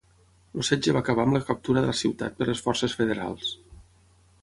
El setge va acabar amb la captura de la ciutat per les forces federals.